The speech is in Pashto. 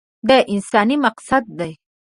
دا انساني مقاصد ده.